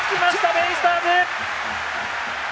ベイスターズ！